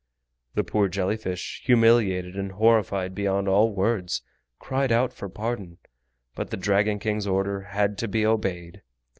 The poor jelly fish, humiliated and horrified beyond all words, cried out for pardon. But the Dragon King's order had to be obeyed.